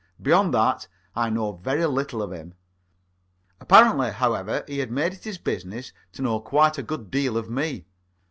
Beyond that, I know very little of him. Apparently, however, he had made it his business to know quite a good deal of me.